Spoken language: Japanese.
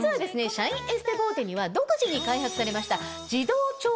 シャインエステボーテには独自に開発されました。